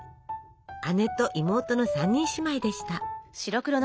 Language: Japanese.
姉と妹の３人姉妹でした。